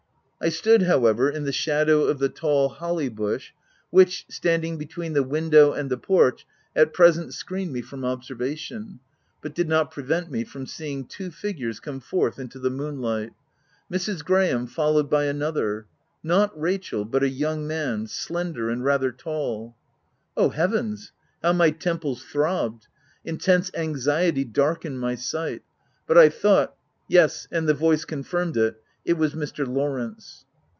I stood, however, in the OF W1LDFELL HALL. 217 shadow of the tall holly bush, which, standing between the window and the porch, at present screened me from observation, but did not pre vent me from seeing two figures come forth into the moonlight ; Mrs. Graham followed by another — not Rachel, but a young man, slender and rather tall. Oh heavens, how my temples throbbed ! Intense anxiety darkened my sight ; but I thought — yes, and the voice confirmed it — it was Mr. Lawrence.